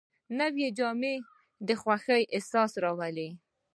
نوې جامې د خوښۍ احساس راولي